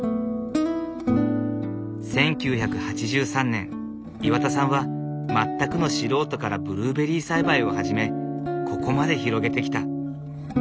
１９８３年岩田さんは全くの素人からブルーベリー栽培を始めここまで広げてきた。